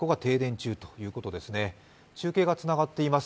中継がつながっています。